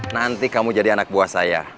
nanti kamu jadi anak buah saya